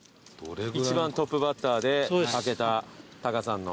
一番トップバッターで開けたタカさんの。